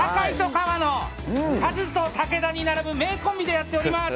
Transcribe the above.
カズと武田に並ぶ名コンビでやっております。